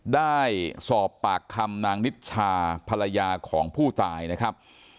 ได้สอบปากคำนางนิชชาภรรยาของผู้ตายนะครับ